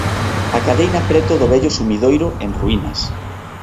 Acadeina preto do vello sumidoiro en ruínas.